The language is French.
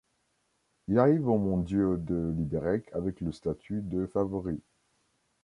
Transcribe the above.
Il arrive aux Mondiaux de Liberec avec le statut de favori.